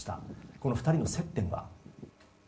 この２人の接点は。